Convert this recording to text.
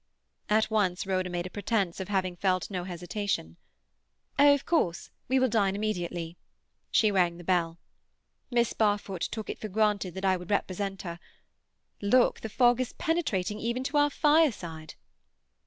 At once Rhoda made a pretence of having felt no hesitation. "Oh, of course we will dine immediately." She rang the bell. "Miss Barfoot took it for granted that I would represent her. Look, the fog is penetrating even to our fireside."